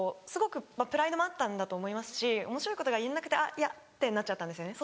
すごくプライドもあったんだと思いますしおもしろいことが言えなくて「いや」ってなっちゃったんです。